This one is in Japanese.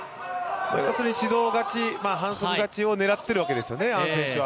指導勝ち、反則勝ちを狙っているわけですね、アン選手は。